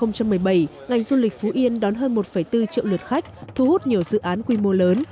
năm hai nghìn một mươi bảy ngành du lịch phú yên đón hơn một bốn triệu lượt khách thu hút nhiều dự án quy mô lớn